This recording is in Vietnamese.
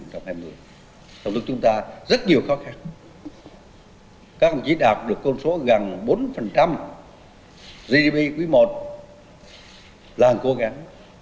trong lúc chúng ta rất nhiều khó khăn các vị trí đạt được côn số gần bốn gdp quý một là hành cố gắng